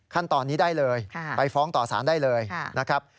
ขั้นตอนนี้ได้เลยไปฟ้องต่อสารได้เลยนะครับ